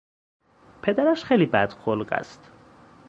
پدرش خیلی بدخلق است.